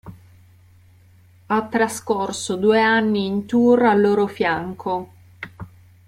Ha trascorso due anni in tour al loro fianco.